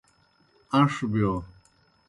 اݩݜ بِیو۔